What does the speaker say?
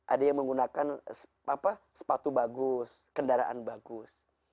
ada yang menggunakan sepatu bagus kendaraan bagus